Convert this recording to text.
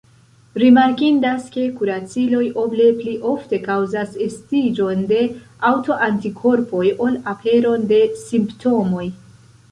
Rimarkindas ke kuraciloj oble pli ofte kaŭzas estiĝon de aŭtoantikorpoj ol aperon de simptomoj.